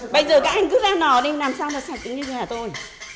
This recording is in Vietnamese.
bây giờ các anh cứ ra nò đi làm sao nó sạch như nhà tôi